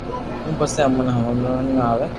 پسو اموني ني ھمج ۾ اوي